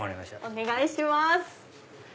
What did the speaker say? お願いします。